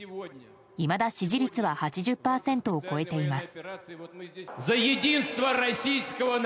いまだ支持率は８０％を超えています。